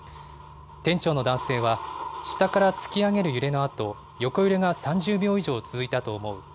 店長の男性は、下から突き上げる揺れのあと、横揺れが３０秒以上続いたと思う。